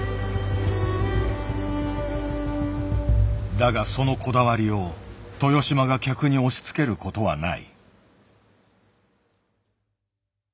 だがそのこだわりを豊島が客に押しつけることはない。